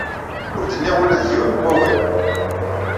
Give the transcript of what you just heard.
Ur d-nniɣ ula d yiwen n wawal.